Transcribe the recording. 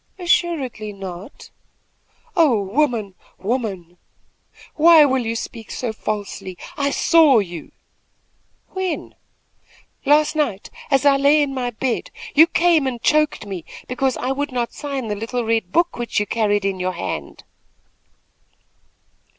"Assuredly not." "Oh woman, woman! why will you speak so falsely? I saw you." "When?" "Last night, as I lay in my bed, you came and choked me, because I would not sign the little red book which you carried in your hand."